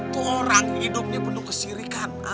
tuh orang hidupnya penuh kesirikan